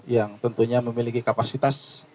yang tentunya memiliki kapasitas